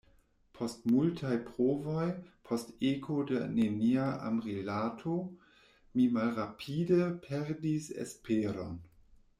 Post multaj provoj, post eko de nenia amrilato, mi malrapide perdis esperon.